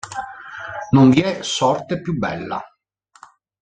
Non vi è sorte più bella.